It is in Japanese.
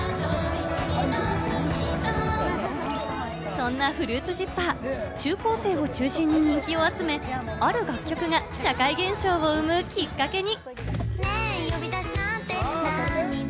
そんなＦＲＵＩＴＳＺＩＰＰＥＲ、中高生を中心に人気を集め、ある楽曲が社会現象を生むきっかけに。